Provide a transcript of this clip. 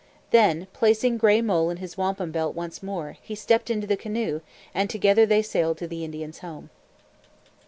Then, placing Gray Mole in his wampum belt once more, he stepped into the canoe, and together they sailed to the Indian's home.